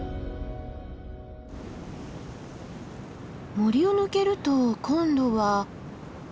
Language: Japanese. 森を抜けると今度は。